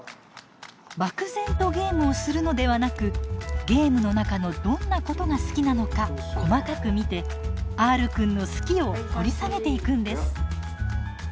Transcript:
漠然とゲームをするのではなくゲームの中のどんなことが好きなのか細かく見てＲくんの「好き」を掘り下げていくんです。